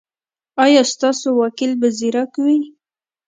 ایا ستاسو وکیل به زیرک وي؟